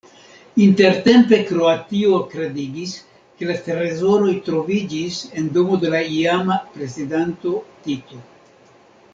Intertempe Kroatio kredigis, ke la trezoroj troviĝis en domo de la iama prezidanto Tito.